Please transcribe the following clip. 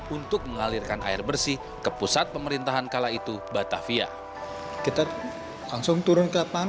untuk mengalirkan air bersih ke pusat pemerintahan kalaidung batavia kita langsung turun ke lapangan